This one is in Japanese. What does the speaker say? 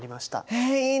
えいいな。